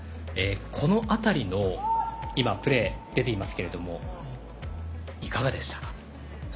このあたりの今プレー出ていますけれどもいかがでしたか。